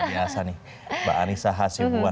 biasa nih mbak anissa hasibuan